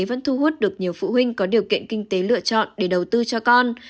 vẫn thu hút được nhiều phụ huynh có điều kiện kinh tế lựa chọn để đầu tư cho con